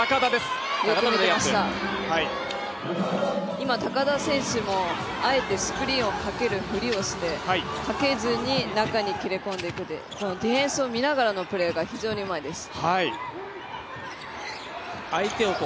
今、高田選手もあえてスクリーンをかけるふりをしてかけずに中に切れ込んでいくというディフェンスを見ながらのプレーが非常にうまいです。